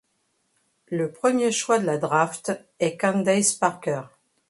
Le premier choix de la draft est Candace Parker.